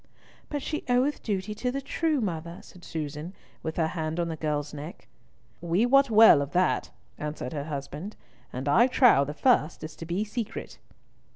"But she oweth duty to the true mother," said Susan, with her hand on the girl's neck. "We wot well of that," answered her husband, "and I trow the first is to be secret."